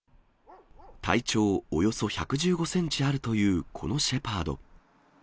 体長およそ１１５センチあるというこのシェパード。